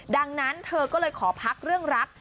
ดังนั้นเธอก็เลยขอพักเรื่องรัก